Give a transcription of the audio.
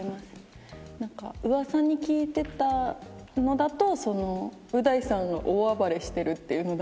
何か噂に聞いてたのだとう大さんが大暴れしてるっていうのだけ。